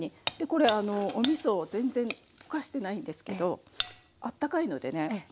これおみそを全然溶かしてないんですけどあったかいのでね